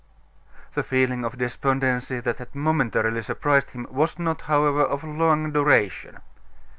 The feeling of despondency that had momentarily surprised him was not, however, of long duration.